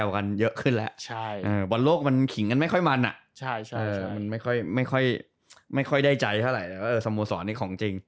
วันโลกมันขิงกันไม่ค่อยมันอ่ะมันไม่ค่อยได้ใจเท่าไหร่สโมสรนี่ของจริง